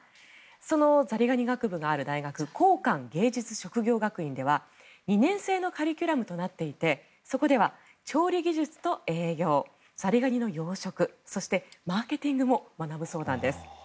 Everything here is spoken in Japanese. そのザリガニ学部がある大学江漢芸術職業学院では２年制のカリキュラムとなっていてそこでは調理技術と栄養ザリガニの養殖そして、マーケティングも学ぶそうなんです。